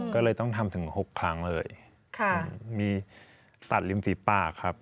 ก็เลยต้องทำถึง๖ครั้งเลยมีตัดริมฝีปากครับ